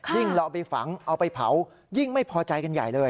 เราเอาไปฝังเอาไปเผายิ่งไม่พอใจกันใหญ่เลย